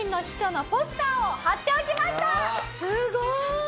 すごーい！